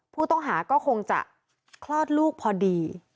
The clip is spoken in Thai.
ผู้ต้องหาก็คงจะคลอดลูกพอดี